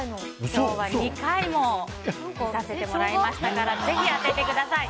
今日は２回も見させてもらいましたからぜひ当ててください。